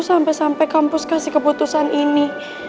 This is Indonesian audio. sampai sampai kampus kasih keputusan ini